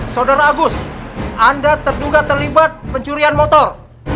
saudara agus anda terduga terlibat pencurian motor